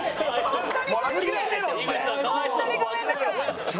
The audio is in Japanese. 本当にごめんなさい！